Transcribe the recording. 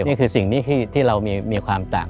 นี่คือสิ่งที่เรามีความต่าง